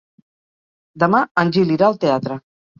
Demà en Gil irà al teatre.